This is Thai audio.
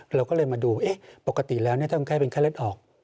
เราก็เลยมาดูปกติแล้วถ้าคนไข้เป็นไข้เลือดออก